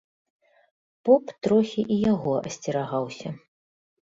Поп трохі і яго асцерагаўся.